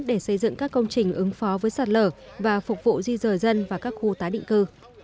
để xây dựng các công trình ứng phó với sạt lở và phục vụ di rời dân và các khu tái định cư